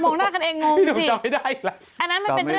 บอกหน้ากันเองงงจริงสิพี่หนุ่มจำไม่ได้